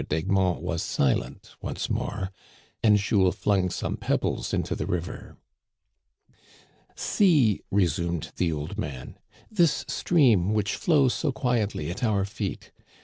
d'Egmont was silent once more, and Jules flung some pebbles into the river. " See," resumed the old man, " this stream which flows so quietly at our feet.